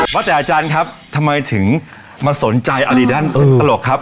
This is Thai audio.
ว่าแต่อาจารย์ครับทำไมถึงมาสนใจอดีตด้านตลกครับ